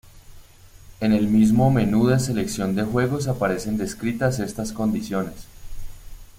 En el mismo menú de selección de juegos aparecen descritas estas condiciones.